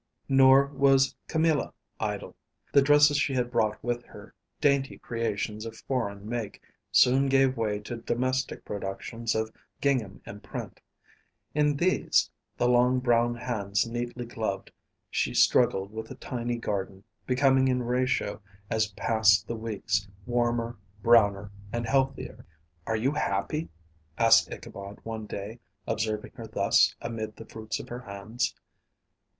Nor was Camilla idle. The dresses she had brought with her, dainty creations of foreign make, soon gave way to domestic productions of gingham and print. In these, the long brown hands neatly gloved, she struggled with a tiny garden, becoming in ratio as passed the weeks, warmer, browner, and healthier. "Are you happy?" asked Ichabod, one day, observing her thus amid the fruits of her hands.